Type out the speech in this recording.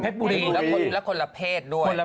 แล้วคนละเพศด้วย